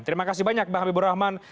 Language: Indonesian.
terima kasih banyak bang habibur rahman